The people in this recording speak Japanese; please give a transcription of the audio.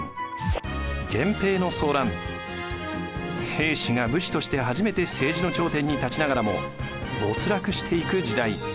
平氏が武士として初めて政治の頂点に立ちながらも没落していく時代。